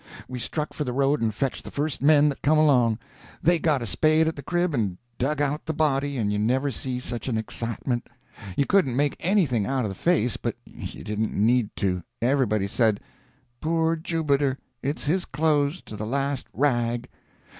We struck for the road and fetched the first men that come along. They got a spade at the crib and dug out the body, and you never see such an excitement. You couldn't make anything out of the face, but you didn't need to. Everybody said: "Poor Jubiter; it's his clothes, to the last rag!"